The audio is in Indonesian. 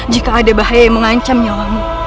jika ada bahaya yang mengancam nyawamu